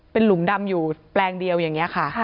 เป็นหลุมดำอยู่แปลงเดียวอย่างนี้ค่ะ